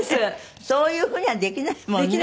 そういう風にはできないもんね。